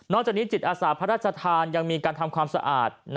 จากนี้จิตอาสาพระราชทานยังมีการทำความสะอาด